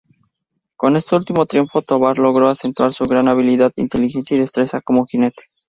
Con este último triunfo, Tovar logró acentuar su gran habilidad, inteligencia y destreza como jinete.